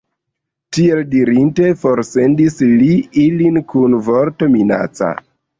Tiel dirinte, forsendis li ilin kun vorto minaca.